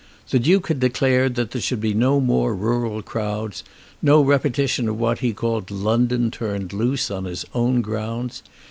The Duke had declared that there should be no more rural crowds, no repetition of what he called London turned loose on his own grounds.